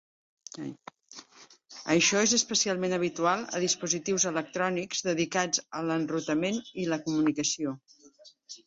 Això és especialment habitual a dispositius electrònics dedicats a l'enrutament i la comunicació.